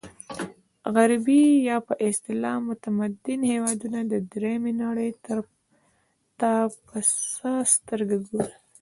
غربي یا په اصطلاح متمدن هېوادونه درېیمې نړۍ ته په څه سترګه ګوري.